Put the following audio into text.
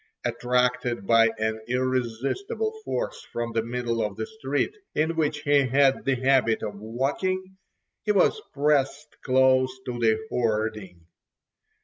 Attracted by an irresistible force from the middle of the street, in which he had the habit of walking, he was pressed close to the hoarding.